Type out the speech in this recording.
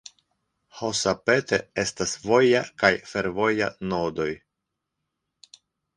Hosapete estas voja kaj fervoja nodoj.